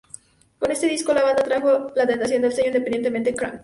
Con este disco, la banda atrajo la atención del sello independiente Crank!